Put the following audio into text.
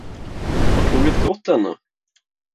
Har tåget gått ännu?